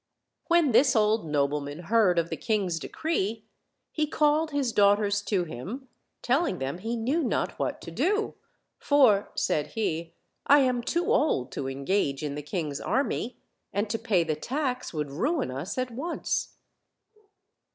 When this old nobleman heard of the king's decree he called his daughters to him, telling them he knew not what to do; "for," said he, "I am too old to engage in the king's army, and to pay the tax would ruin us at once."